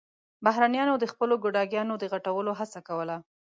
بهرنيانو د خپلو ګوډاګيانو د غټولو هڅه کوله.